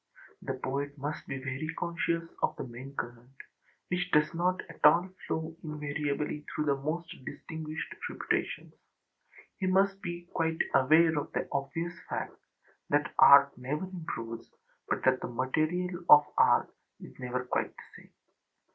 The poet must be very conscious of the main current, which does not at all flow invariably through the most distinguished reputations. He must be quite aware of the obvious fact that art never improves, but that the material of art is never quite the same.